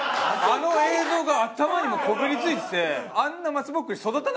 あの映像が頭にもうこびりついてて。